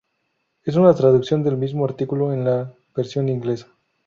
Es una traducción del mismo artículo en la versión inglesa.